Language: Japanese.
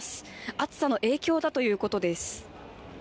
暑さの影響だということです。